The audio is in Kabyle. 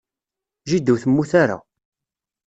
Jida ur temmut ara.